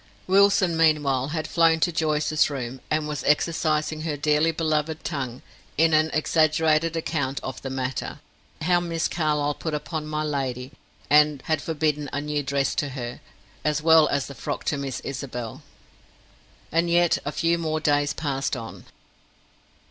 Wilson, meanwhile, had flown to Joyce's room, and was exercising her dearly beloved tongue in an exaggerated account of the matter how Miss Carlyle put upon my lady, and had forbidden a new dress to her, as well as the frock to Miss Isabel. And yet a few more days passed on.